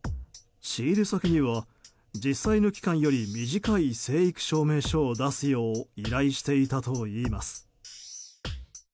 仕入れ先には実際の期間より短い生育証明書を出すよう依頼していたといいます。